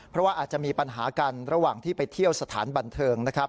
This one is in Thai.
เพราะว่าอาจจะมีปัญหากันระหว่างที่ไปเที่ยวสถานบันเทิงนะครับ